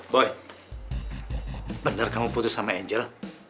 boy benar kamu putus sama angel